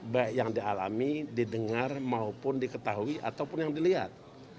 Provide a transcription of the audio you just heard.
baik yang dialami didengar maupun diketahui ataupun yang dilihat